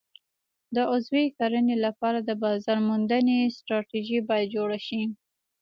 د عضوي کرنې لپاره د بازار موندنې ستراتیژي باید جوړه شي.